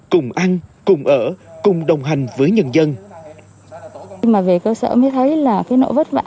cùng ăn cùng ở cùng đồng hành với nhân dân nhưng mà về cơ sở mới thấy là cái nỗi vất vả